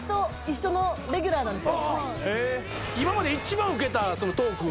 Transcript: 今まで一番ウケたトーク。